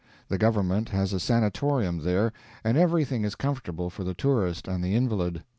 The government has a sanitorium there, and everything is comfortable for the tourist and the invalid.